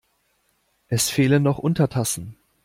Es fehlen noch Untertassen.